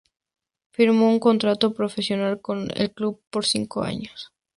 Firmó un contrato profesional con el club por cinco años.